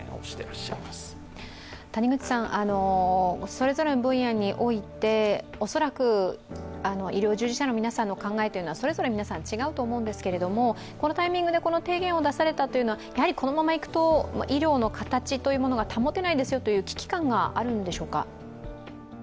それぞれの分野においておそらく医療従事者の皆さんの考えというのはそれぞれ皆さん違うと思うんですけれども、このタイミングでこの提言を出されたというのはこのままいくと医療の形が保てないですという危機感があるんでしょうか？